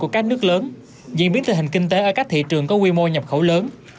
của các nước lớn diễn biến tình hình kinh tế ở các thị trường có quy mô nhập khẩu lớn